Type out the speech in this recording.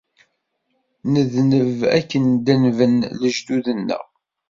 Nedneb akken denben lejdud-nneɣ.